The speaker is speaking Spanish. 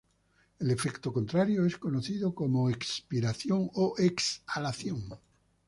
El efecto contrario es conocido como espiración o exhalación.